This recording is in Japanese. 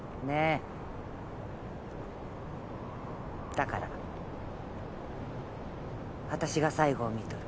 だからわたしが最期をみとる。